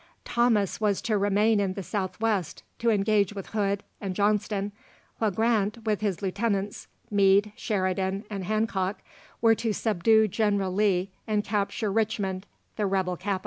Thomas was to remain in the South West to engage with Hood and Johnston, while Grant, with his Lieutenants, Meade, Sheridan, and Hancock, were to subdue General Lee and capture Richmond, the rebel capital.